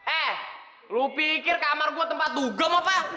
eh lu pikir kamar gue tempat dugem apa